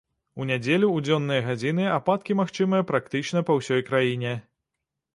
У нядзелю ў дзённыя гадзіны ападкі магчымыя практычна па ўсёй краіне.